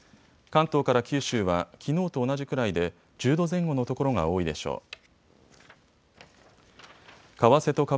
関東から九州はきのうと同じくらいで１０度前後の所が多いでしょう。